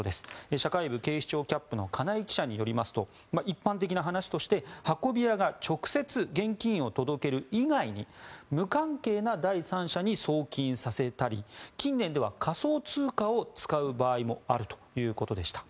社会部警視庁キャップの金井記者によりますと一般的な話として運び屋が直接現金を届ける以外に無関係な第三者に送金させたり近年では仮想通貨を使う場合もあるということでした。